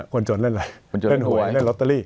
คนจนเล่นอะไรเล่นหวยเล่นลอตเตอรี่